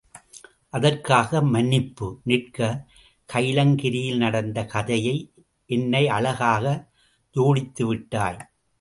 அதற்காக மன்னிப்பு, நிற்க, கைலங்கிரியில் நடந்த கதையை என்ன அழகாக ஜோடித்து விட்டாய்.